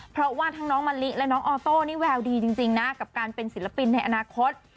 เพราะว่าทั้งน้องมะลิและน้องออโต้นี่แววดีจริงนะกับการเป็นศิลปินในอนาคต